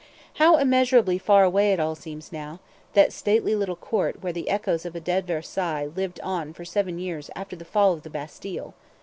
How immeasurably far away it all seems now, that stately little court where the echoes of a dead Versailles lived on for seven years after the fall of the Bastille!